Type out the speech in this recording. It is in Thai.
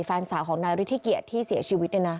แฟนสาวของนายฤทธิเกียจที่เสียชีวิตเนี่ยนะ